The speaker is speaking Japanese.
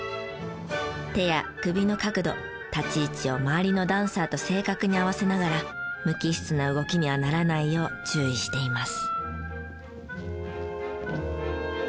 手や首の角度立ち位置を周りのダンサーと正確に合わせながら無機質な動きにはならないよう注意しています。